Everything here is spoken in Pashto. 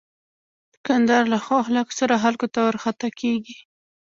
دوکاندار له ښو اخلاقو سره خلکو ته ورخطا کېږي.